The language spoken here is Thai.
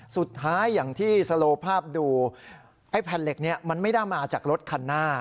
สุดท้ายอย่างที่สโลภาพดูไอ้แผ่นเหล็กนี้มันไม่ได้มาจากรถคันหน้า